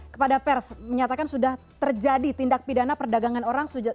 kepada pers menyatakan sudah terjadi tindak pidana perdagangan orang